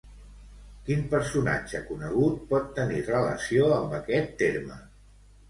Quin personatge conegut pot tenir relació amb aquest terme?